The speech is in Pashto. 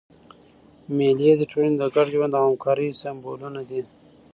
مېلې د ټولني د ګډ ژوند او همکارۍ سېمبولونه دي.